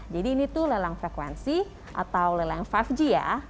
jadi ini tuh lelang frekuensi atau lelang lima g ya